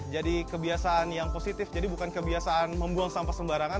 jadi kebiasaan yang positif jadi bukan kebiasaan membuang sampah sembarangan